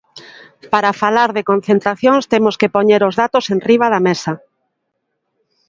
Para falar de concentracións temos que poñer os datos enriba da mesa.